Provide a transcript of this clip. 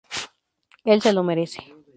Él se lo merece".